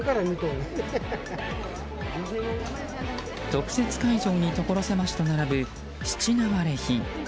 特設会場に所狭しと並ぶ質流れ品。